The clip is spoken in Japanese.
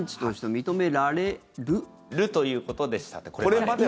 認められるということでした、これまでは。